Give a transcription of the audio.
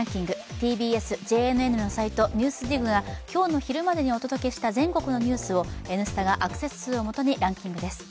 ＴＢＳ・ＪＮＮのサイト、ＮＥＷＳＤＩＧが今日の昼までにお届けした全国のニュースを「Ｎスタ」がアクセス数をもとにランキングです。